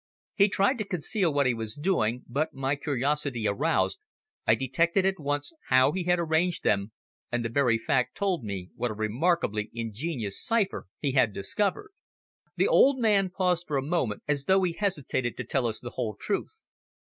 He tried to conceal what he was doing, but, my curiosity aroused, I detected at once how he had arranged them, and the very fact told me what a remarkably ingenious cipher he had discovered." The old man paused for a moment, as though he hesitated to tell us the whole truth.